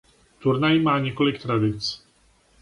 Turnaj má několik tradic.